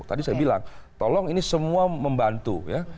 tadi saya bilang tolong ini semua membantu ya